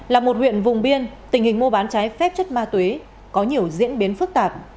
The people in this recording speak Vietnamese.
là một huyện vùng biên tình hình mua bán trái phép chất ma túy có nhiều diễn biến phức tạp